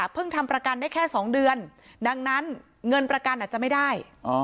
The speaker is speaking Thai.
ทำประกันได้แค่๒เดือนดังนั้นเงินประกันอาจจะไม่ได้